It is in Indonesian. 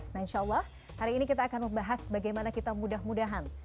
nah insya allah hari ini kita akan membahas bagaimana kita mudah mudahan